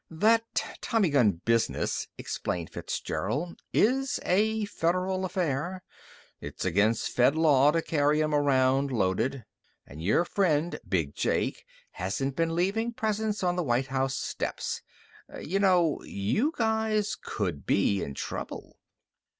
"That tommy gun business," explained Fitzgerald, "is a federal affair. It's against Fed law to carry 'em around loaded. And your friend Big Jake hasn't been leavin' presents on the White House steps. Y'know, you guys could be in trouble!"